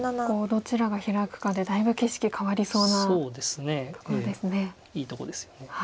ここをどちらがヒラくかでだいぶ景色変わりそうなところですね。